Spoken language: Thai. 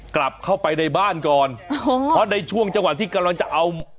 กลับเข้าไปในบ้านก่อนโอ้โหเพราะในช่วงจังหวะที่กำลังจะเอา